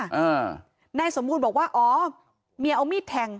อ่าอ่าในสมมุลบอกว่าอ๋อเมียเอามีดแทง